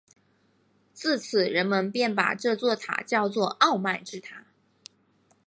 自此人们便把这座塔叫作傲慢之塔。